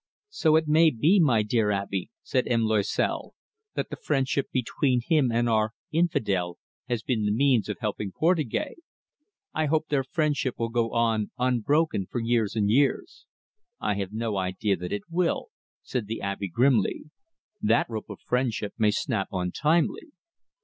"So it may be, my dear Abbe," said M. Loisel, "that the friendship between him and our 'infidel' has been the means of helping Portugais. I hope their friendship will go on unbroken for years and years." "I have no idea that it will," said the Abbe grimly. "That rope of friendship may snap untimely."